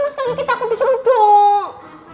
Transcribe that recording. mas kagak kita aku diseru dok